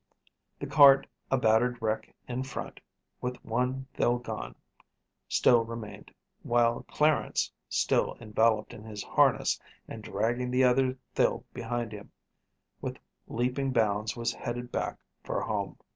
The cart, a battered wreck in front, with one thill gone, still remained, while Clarence, still enveloped in his harness and dragging the other thill behind him, with leaping bounds was headed back for home.